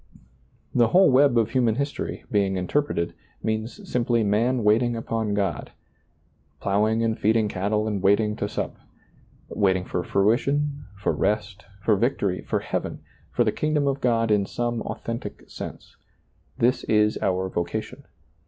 The whole web of human history, being interpreted, means simply man waiting upon God, " plowing and feeding cattle and waiting to sup "; waiting for fruition, for rest, for victory, for heaven, for the kingdom of God in some authentic sense. This is our vocation.